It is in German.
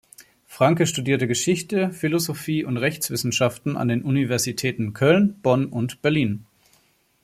Franke studierte Geschichte, Philosophie und Rechtswissenschaften an den Universitäten Köln, Bonn und Berlin.